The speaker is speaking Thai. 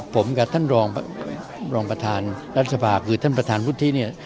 ผมกับท่านรองรองประธานรัฐสภาคือท่านประธานวุฒิเนี่ย